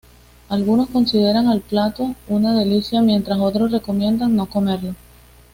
Algunos consideran al plato una delicia mientras otros recomiendan no comerlo.